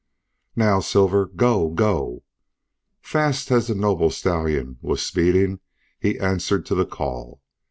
"Now! Silver! Go! Go!" Fast as the noble stallion was speeding he answered to the call.